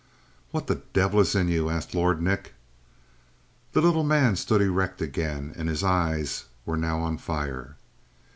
"What the devil is in you?" asked Lord Nick. The little man stood erect again and his eyes were now on fire.